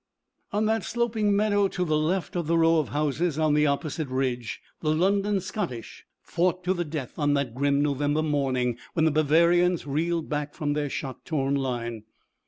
On that sloping meadow to the left of the row of houses on the opposite ridge the London Scottish fought to the death on that grim November morning when the Bavarians reeled back from their shot torn line.